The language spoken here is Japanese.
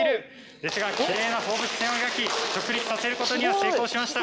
ですがきれいな放物線を描き直立させることには成功しました！